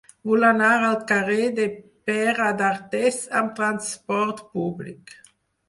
Vull anar al carrer de Pere d'Artés amb trasport públic.